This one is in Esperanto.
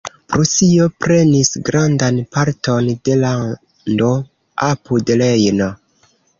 Prusio prenis grandan parton de lando apud Rejno.